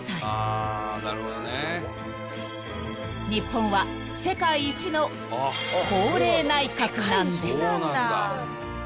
［日本は世界一の高齢内閣なんです］